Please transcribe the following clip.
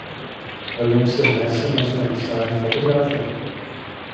Vai jums ir nesen uzņemta zēna fotogrāfija?